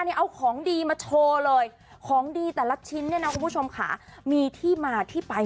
เอาของดีมาโชว์เลยของดีแต่ละชิ้นเนี่ยนะคุณผู้ชมค่ะมีที่มาที่ไป